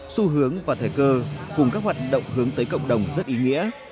xu hướng và thời cơ cùng các hoạt động hướng tới cộng đồng rất ý nghĩa